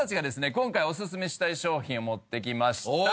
今回おすすめしたい商品を持ってきました。